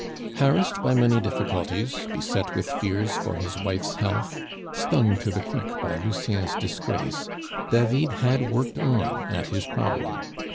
Harassed by money difficulties, beset with fears for his wife's health, stung to the quick by Lucien's disgrace, David had worked on at his problem.